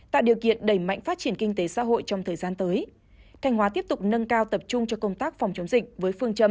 tạo điều kiện đẩy mạnh phát triển kinh tế xã hội trong thời gian tới thanh hóa tiếp tục nâng cao tập trung cho công tác phòng chống dịch với phương châm